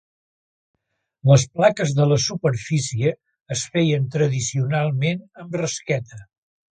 Les plaques de la superfície es feien tradicionalment amb rasqueta.